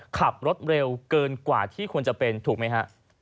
ขับรถเร็วเกินกว่าที่ควรจะเป็นถูกไหมฮะ